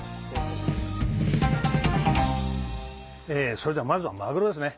それではまずはマグロですね。